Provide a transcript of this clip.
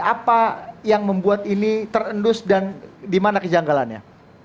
apa yang membuat ini terendus dan di mana kejanggalannya